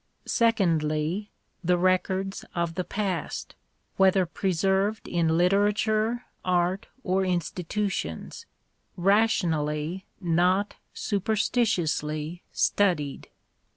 Secondly, the records of the Past, whether preserved in literature, art, or institutions, rationally, not superstitiously, studied.